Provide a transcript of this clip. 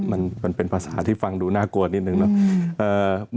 มันเป็นภาษาที่ฟังดูน่ากลัวนิดนึงเนอะ